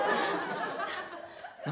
何？